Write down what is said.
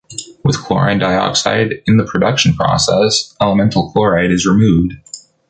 With chlorine dioxide, in the production process, elemental chloride is removed.